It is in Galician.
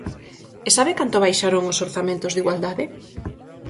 ¿E sabe canto baixaron os orzamentos de igualdade?